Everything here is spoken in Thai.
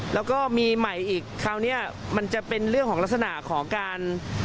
แล้วก็มีใหม่อีกคราวนี้มันจะเป็นเรื่องของลักษณะของการ